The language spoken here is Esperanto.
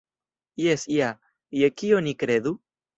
Jes ja, je kio ni kredu?